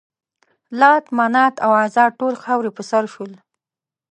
لات، منات او عزا ټول خاورې په سر شول.